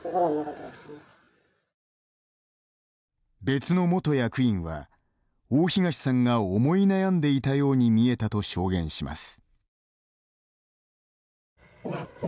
別の元役員は、大東さんが思い悩んでいたように見えたと証言します。